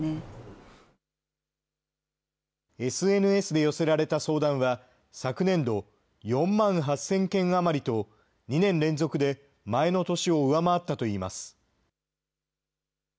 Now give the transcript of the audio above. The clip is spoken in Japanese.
ＳＮＳで寄せられた相談は昨年度、４万８０００件余りと、２年連続で前の年を上回ったといいます。